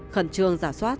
khẩn trương giả soát